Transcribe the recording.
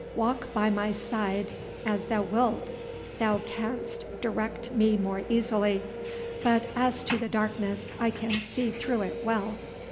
"Walk by my side an thou wilt. Thou canst direct me more easily; but as to the darkness I can see through it well."